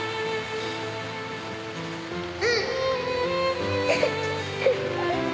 うん。